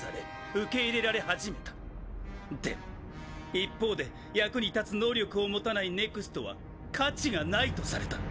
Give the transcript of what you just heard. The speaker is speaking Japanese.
一方で役に立つ能力を持たないＮＥＸＴは価値が無いとされた。